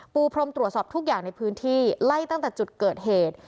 ปูพรมตรวจสอบทุกอย่างในพื้นที่ไล่ตั้งแต่จุดเกิดเหตุ